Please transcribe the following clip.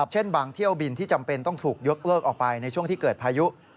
เช่นบางเที่ยวบินที่จำเป็นต้องถูกยกเลิกออกไปในช่วงที่เกิดพายุ